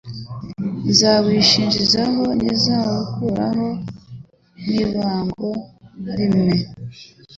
zawishinjijeho ntizawukuraho n'ibango na limwe